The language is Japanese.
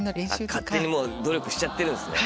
勝手にもう努力しちゃってるんですね。